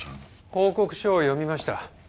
報告書を読みました。